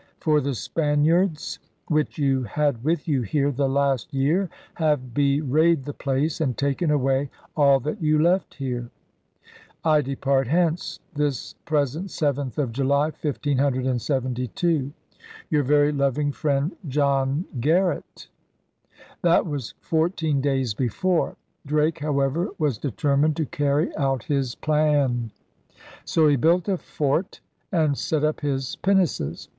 For the Spaniards which you had with you here, the last year, have be wrayed the place and taken away all that you left here. I depart hence, this present 7th of July, 1572. Your very loving friend, John Garrett. ' That was fourteen days before. Drake, however, was determined to carry out his plan. DRAKE'S BEGINNING 103 So he built a fort and set up his pinnaces.